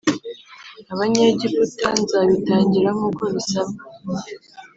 Abanyegiputa nzabitangira nkuko bisabwa